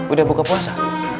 udah buka puasa